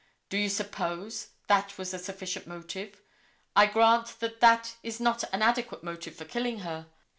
Do you suppose that was a sufficient motive? I grant that that is not an adequate motive for killing her.